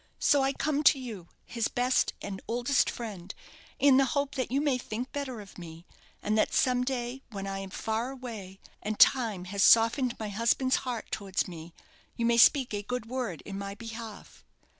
So I come to you, his best and oldest friend, in the hope that you may think better of me; and that some day, when I am far away, and time has softened my husband's heart towards me, you may speak a good word in my behalf.'